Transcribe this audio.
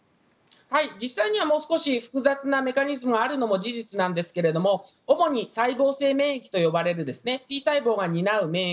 実際にはもう少し複雑なメカニズムがあるのも事実なんですが主に細胞性免疫と呼ばれるＴ細胞が担う免疫